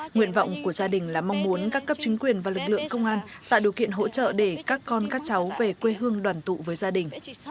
nguyện vọng của gia đình là mong muốn các cấp chính quyền và lực lượng công an tạo điều kiện hỗ trợ để các con các cháu về quê hương đoàn tụ với gia đình